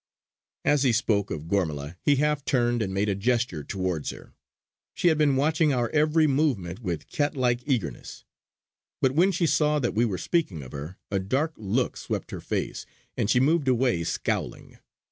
As he spoke of Gormala, he half turned and made a gesture towards her. She had been watching our every movement with cat like eagerness; but when she saw that we were speaking of her, a dark look swept her face, and she moved away scowling.